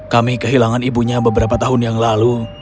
kami kehilangan ibunya beberapa tahun yang lalu